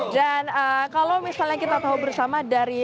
dan kalau misalnya kita tahu bersama